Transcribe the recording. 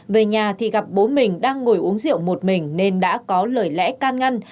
về nhà thì gặp bố mình đang ngồi uống rượu một mình nên đã có lời lẽ can ngăn